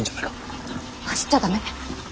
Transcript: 走っちゃ駄目。